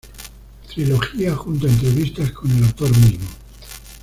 Trilogía junto a entrevistas con el autor mismo.